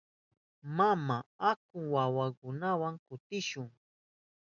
Mama, aku wawkiyniwa kutishun.